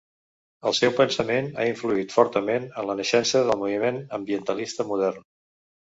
El seu pensament ha influït fortament en la naixença del moviment ambientalista modern.